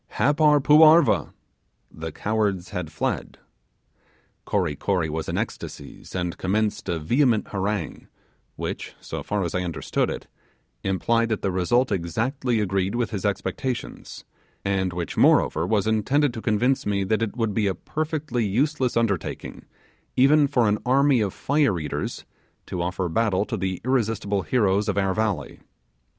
Happar poo arva!' (the cowards had fled). Kory Kory was in ecstasies, and commenced a vehement harangue, which, so far as I understood it, implied that the result exactly agreed with his expectations, and which, moreover, was intended to convince me that it would be a perfectly useless undertaking, even for an army of fire eaters, to offer battle to the irresistible heroes of our valley.